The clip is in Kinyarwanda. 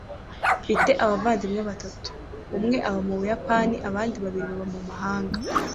mfite abavandimwe batatu. umwe aba mu buyapani abandi babiri baba mu mahanga